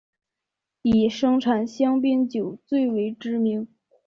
以生产香槟酒最为知名。